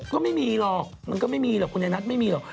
ก็ไม่มีหรอกมันก็ไม่มีหรอกคุณยายนัทไม่มีหรอก